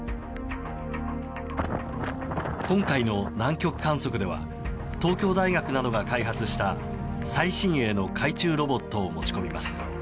今回の南極観測では東京大学などが開発した最新鋭の海中ロボットを持ち込みます。